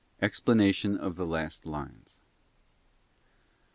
Explanation of the last lines.